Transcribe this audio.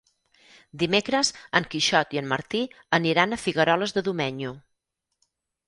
Dimecres en Quixot i en Martí aniran a Figueroles de Domenyo.